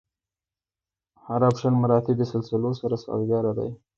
هر اپشن مراتبي سلسلو سره سازګاره دی.